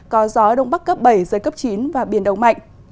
có gió đông bắc cấp bảy giới cấp chín và biển động mạnh